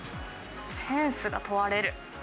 センスが問われる。